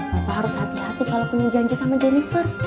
bapak harus hati hati kalau punya janji sama jennifer